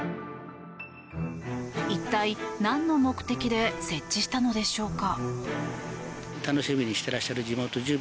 一体、なんの目的で設置したのでしょうか。